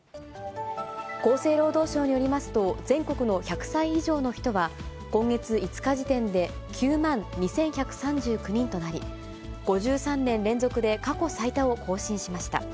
厚生労働省によりますと、全国の１００歳以上の人は、今月５日時点で９万２１３９人となり、５３年連続で過去最多を更新しました。